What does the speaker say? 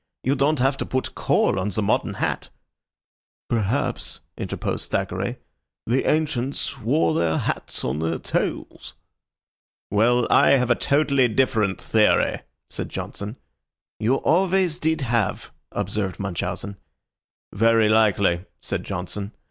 "You don't have to put coal on the modern hat." "Perhaps," interposed Thackeray, "the ancients wore their hats on their tails." "Well, I have a totally different theory," said Johnson. "You always did have," observed Munchausen. "Very likely," said Johnson.